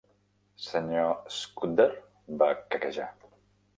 "Sr. Scudder...", va quequejar.